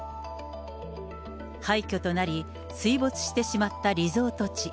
廃虚となり、水没してしまったリゾート地。